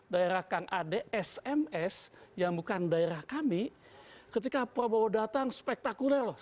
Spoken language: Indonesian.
daerah kang ade sms yang bukan daerah kami ketika prabowo datang spektakuler loh